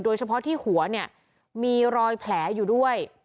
โดยเฉพาะที่หัวเนี่ยมีรอยแผลอยู่ด้วย